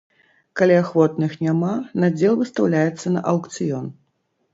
Калі ахвотных няма, надзел выстаўляецца на аўкцыён.